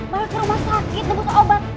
malah ke rumah sakit nebus obat